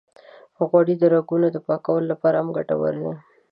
غوړې د رګونو د پاکولو لپاره هم ګټورې دي.